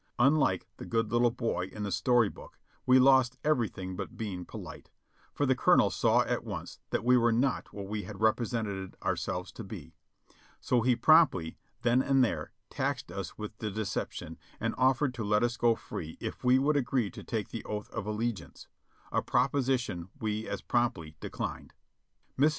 Un like the good little boy in the story book, we lost everything by being polite, for the colonel saw at once that we were not what SIR JOHN S RUN 509 we had represented ourselves to be, so he promptly, then and there, taxed us with the deception, and offered to let us go free if we would agree to take the oath of allegiance, a proposition we as promptly declined. Mrs.